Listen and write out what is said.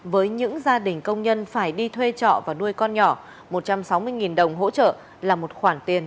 với những gia đình công nhân phải đi thuê trọ và nuôi con nhỏ một trăm sáu mươi đồng hỗ trợ là một khoản tiền